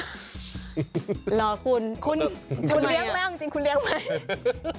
เหรอคุณคุณเลี้ยงแม่จริงคุณเลี้ยงไหม